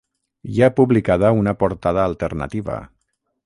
Hi ha publicada una portada alternativa.